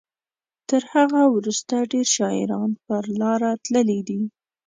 تر هغه وروسته ډیر شاعران پر لاره تللي دي.